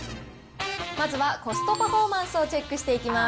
まずはコストパフォーマンスをチェックしていきます。